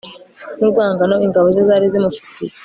n'urwangano ingabo ze zari zimufitiye